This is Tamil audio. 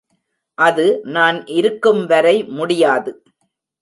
அது நான் இருக்கும் வரை முடியாது.